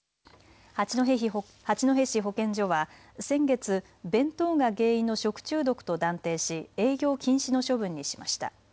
八戸市保健所は先月、弁当が原因の食中毒と断定し営業禁止の処分にしました。